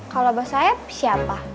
kalau bos saeb siapa